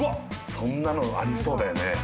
そんなのありそうだよね。